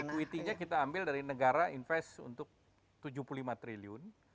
equity nya kita ambil dari negara invest untuk tujuh puluh lima triliun